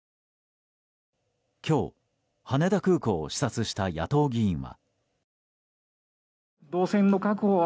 今日、羽田空港を視察した野党議員は。